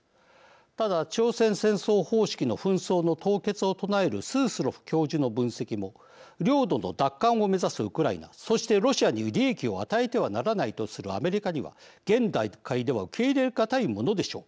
ただ朝鮮戦争方式の紛争の凍結を唱えるスースロフ教授の分析も領土の奪還を目指すウクライナそしてロシアに利益を与えてはならないとするアメリカには現段階では受け入れ難いものでしょう。